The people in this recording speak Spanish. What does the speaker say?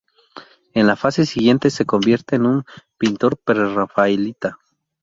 En la fase siguiente, se convierte en un pintor prerrafaelita.